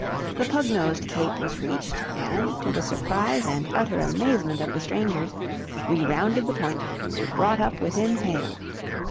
The Pug Nosed Cape was reached, and, to the surprise and utter amazement of the strangers, we rounded the point and brought up within hail.